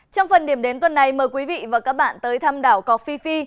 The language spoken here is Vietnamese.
trong phần điểm đến tuần này mời quý vị và các bạn tới thăm đảo cọc phi phi